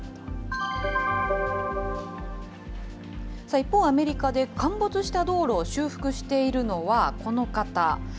一方、アメリカで陥没した道路を修復しているのは、この方。